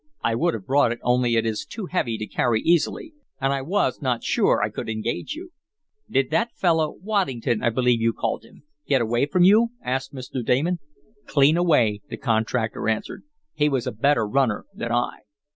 I would have brought it, only it is too heavy to carry easily, and I was not sure I could engage you." "Did that fellow Waddington, I believe you called him get away from you?" asked Mr. Damon. "Clean away," the contractor answered. "He was a better runner than I."